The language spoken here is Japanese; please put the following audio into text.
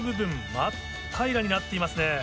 真っ平らになっていますね。